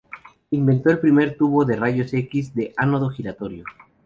Inventó el primer tubo de rayos X de ánodo giratorio.